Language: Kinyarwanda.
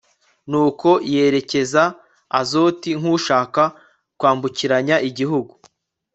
nuko yerekeza azoti nk'ushaka kwambukiranya igihugu